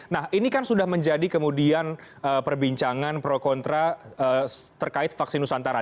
nah ini kan sudah menjadi kemudian perbincangan pro kontra terkait vaksin nusantara